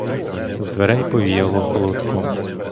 З дверей повіяло холодком.